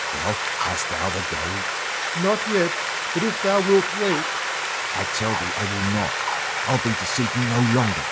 Well, hast thou the gold? Rod. Not yet; but if thou wilt wait Hugo. I tell thee I will not. I'll be deceived no longer.